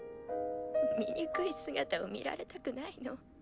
醜い姿を見られたくないの。